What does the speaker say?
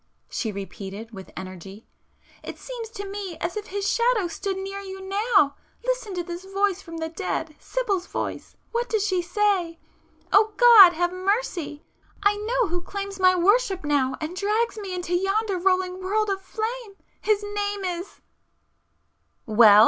she repeated with energy—"It seems to me as if his Shadow stood near you now! Listen to this voice from the dead—Sibyl's voice!——what does she say?——'Oh God, have mercy!——I know who claims my worship now and drags me into yonder rolling world of flame ... his name is—'" ... "Well!"